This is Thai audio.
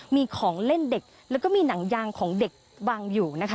มีของเล่นเด็กแล้วก็มีหนังยางของเด็กวางอยู่นะคะ